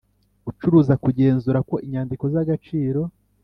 Gucuruza kugenzura ko inyandiko z agaciro